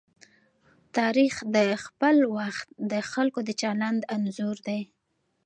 تاریخ د خپل وخت د خلکو د چلند انځور دی.